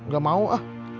gak mau ah